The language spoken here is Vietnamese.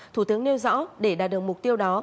thủ tướng nêu rõ để đạt được mục tiêu đó